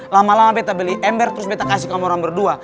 lama lama betta beli ember terus betta kasih ke orang berdua